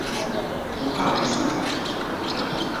不怕沒素材了